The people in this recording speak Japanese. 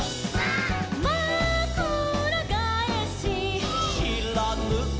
「まくらがえし」「」「しらぬい」「」